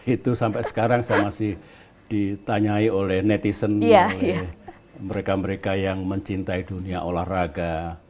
itu sampai sekarang saya masih ditanyai oleh netizen oleh mereka mereka yang mencintai dunia olahraga